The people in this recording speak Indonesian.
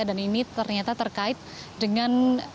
dan ini ternyata terkait dengan